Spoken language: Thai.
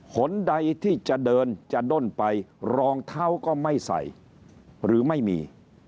หนใดที่จะเดินจะด้นไปรองเท้าก็ไม่ใส่หรือไม่มี